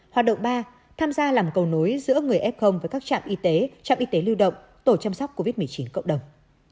hoạt động ba tham gia làm cầu nối giữa người f với các trạm y tế trạm y tế lưu động tổ chăm sóc covid một mươi chín cộng đồng